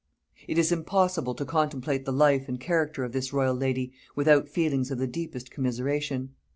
It is impossible to contemplate the life and character of this royal lady, without feelings of the deepest commiseration.